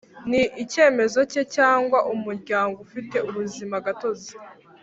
Ni icyemezo cye cyangwa umuryango ufite ubuzimagatozi